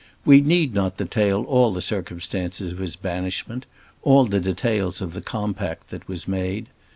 We need not detail all the circumstances of his banishment, all the details of the compact that was made.